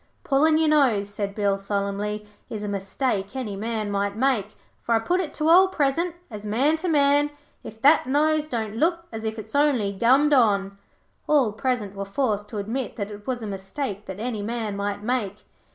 'Pullin' your nose,' said Bill, solemnly, 'is a mistake any man might make, for I put it to all present, as man to man, if that nose don't look as if it's only gummed on.' All present were forced to admit that it was a mistake that any man might make.